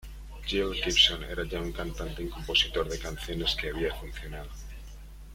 Jill Gibson era ya un cantante y compositor de canciones que había funcionado.